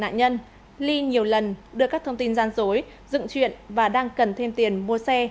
nạn nhân ly nhiều lần đưa các thông tin gian dối dựng chuyện và đang cần thêm tiền mua xe